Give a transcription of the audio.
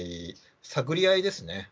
探り合いですね。